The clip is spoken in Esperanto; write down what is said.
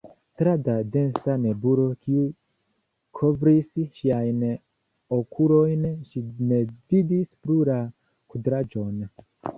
Tra la densa nebulo, kiu kovris ŝiajn okulojn, ŝi ne vidis plu la kudraĵon.